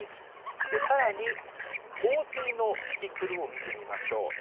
さらに洪水のキキクルを見てみましょう。